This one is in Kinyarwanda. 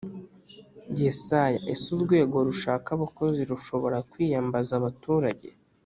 Yesaya, Ese Urwego rushaka abakozi rushobora kwiyambaza abaturage.